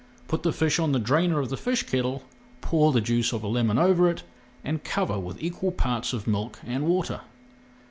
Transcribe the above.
Put the fish on the drainer of the fish kettle, pour the juice of a lemon over it, and cover with equal parts of milk and water.